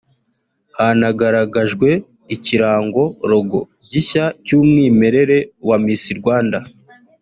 Hanagaragajwe ikirango(logo) gishya cy'umwimerere cya Miss Rwanda